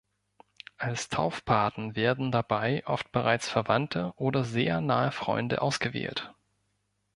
Als Taufpaten werden dabei oft bereits Verwandte oder sehr nahe Freunde ausgewählt.